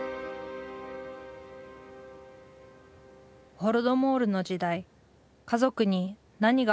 ホロドモールの時代家族に何があったのか。